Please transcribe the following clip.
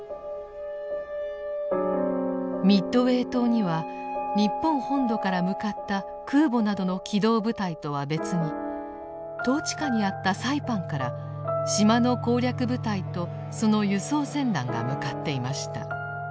ミッドウェー島には日本本土から向かった空母などの機動部隊とは別に統治下にあったサイパンから島の攻略部隊とその輸送船団が向かっていました。